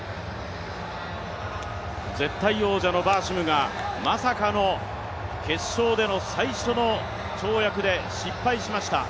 絶対王者のバーシムがまさかの決勝での最初の跳躍で失敗しました。